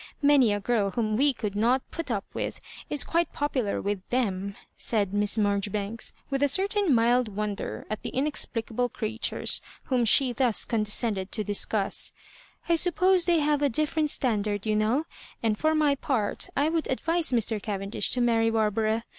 Many a girl whom we could not put up with is quite popular with Them," said Miss Maijoribanks, with a certain mild wonder at the inexplicable creatures whom she thus condescend ed to discuss. I suppose they have a different standard, you know ; and for my part, I would advise Mr. Cavendish to marry Barbara.